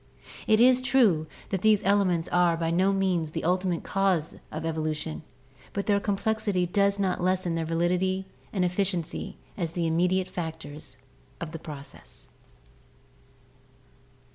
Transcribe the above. It is true that these elements are by no means the ultimate causes of evolution, but their complexity does not lessen their validity and efficiency as the immediate factors of the process."